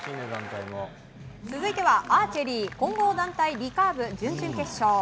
続いてはアーチェリー混合団体リカーブ準々決勝。